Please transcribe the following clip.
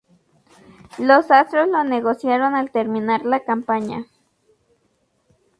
Los Astros lo negociaron al terminar la campaña.